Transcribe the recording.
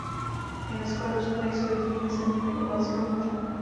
Německo a Rusko nejsou jedinými zeměmi u Baltského moře.